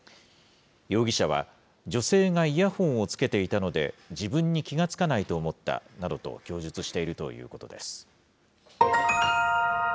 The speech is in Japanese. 容疑者は、女性がイヤホンをつけていたので、自分に気が付かないと思ったなどと供述しているということです。